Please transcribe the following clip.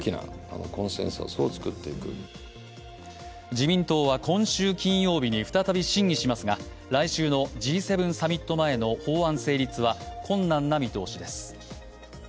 自民党は今週金曜日に再び審議しますが来週のＧ７サミット前の法案成立は困難な見通しです。